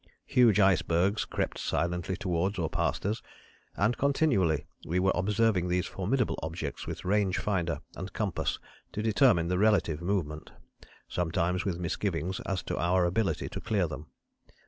Huge icebergs crept silently towards or past us, and continually we were observing these formidable objects with range finder and compass to determine the relative movement, sometimes with misgivings as to our ability to clear them.